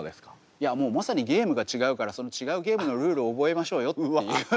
いやもうまさにゲームが違うからその違うゲームのルール覚えましょうよっていう。